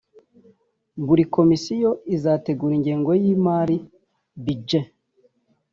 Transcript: buri Komisiyo izategura ingengo y’imari (Budget)